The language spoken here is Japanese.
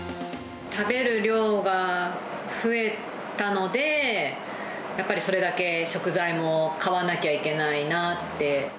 食べる量が増えたので、やっぱりそれだけ食材も買わなきゃいけないなって。